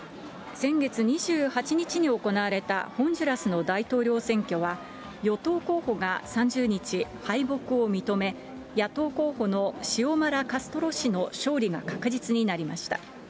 先月２８日に行われたホンジュラスの大統領選挙は、与党候補が３０日、敗北を認め、野党候補のシオマラ・カストロ氏の勝利が確実になりました。